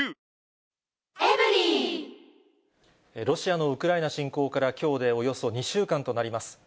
ロシアのウクライナ侵攻から、きょうでおよそ２週間となります。